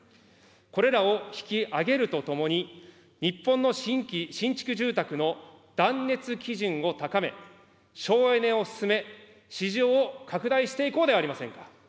これらを引き上げるとともに、日本の新規新築住宅の断熱基準を高め、省エネを進め、市場を拡大していこうではありませんか。